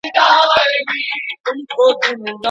لويې لاسته راوړنې یوازي په لیاقت پوري نه سي تړل کېدلای.